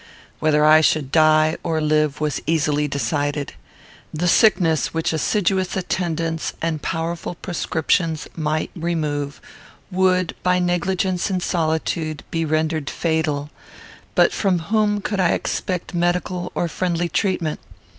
Whether I should die or live was easily decided. The sickness which assiduous attendance and powerful prescriptions might remove would, by negligence and solitude, be rendered fatal; but from whom could I expect medical or friendly treatment?